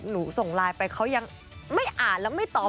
ส่งไลน์ไปเขายังไม่อ่านแล้วไม่ตอบ